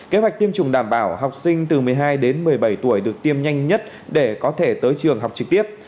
kế hoạch tiêm chủng đảm bảo học sinh từ một mươi hai đến một mươi bảy tuổi được tiêm nhanh nhất để có thể tới trường học trực tiếp